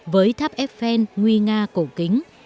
với tháp eiffel nguy nga cổ kính